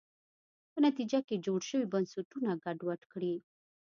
په نتیجه کې جوړ شوي بنسټونه ګډوډ کړي.